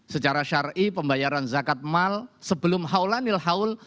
secara syari'i pembayaran zakat maal sebelum haul anil haul